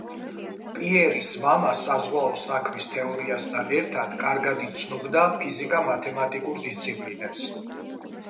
პიერის მამა საზღვაო საქმის თეორიასთან ერთად კარგად იცნობდა ფიზიკა-მათემატიკურ დისციპლინებს.